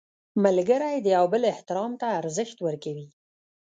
ملګری د یو بل احترام ته ارزښت ورکوي